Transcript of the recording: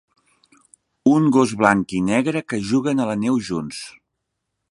un gos blanc i negre que juguen a la neu junts